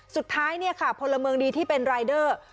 สุดท้ายพลเมืองนี้ที่เป็นรายเดอร์